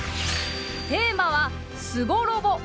テーマはすごロボ。